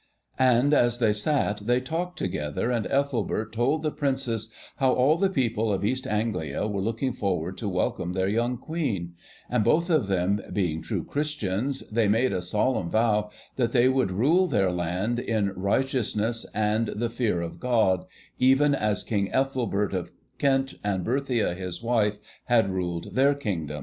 And as they sat they talked together, and Ethelbert told the Princess how all the people of East Anglia were looking forward to welcome their young Queen; and, both of them being true Christians, they made a solemn vow that they would rule their land in 'righteousness and the fear of God, even as King Ethelbert of Kent and Bertha his wife had ruled their kingdom.